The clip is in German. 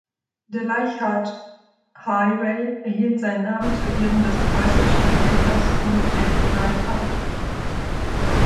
Der Leichhardt Highway erhielt seinen Namen zu Ehren des preußischen Entdeckers Ludwig Leichhardt.